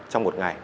trong một ngày